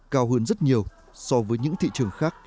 cao hơn rất nhiều so với những thị trường khác